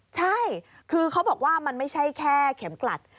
ใช่คือเขาบอกว่ามันไม่ใช่แค่เข็มกลัด